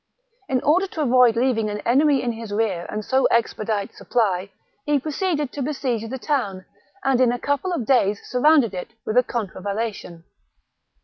In order to avoid leaving an enemy in his rear and so expedite supply, he proceeded to besiege the town, and in a couple of days surrounded it with a contra vallation.